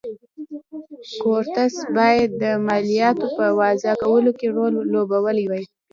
کورتس باید د مالیاتو په وضعه کولو کې رول لوبولی وای.